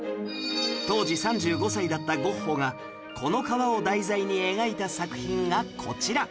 当時３５歳だったゴッホがこの川を題材に描いた作品がこちら